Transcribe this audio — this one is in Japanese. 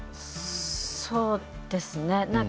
そうですね。